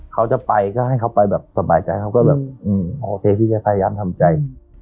เขาจะไปก็ให้เขาไปแบบสบายใจเขาก็แบบโอเคพี่จะพยายามทำใจ